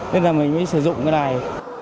nên là mình mới sử dụng cái này